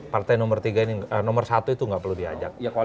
partai nomor satu itu nggak perlu diajak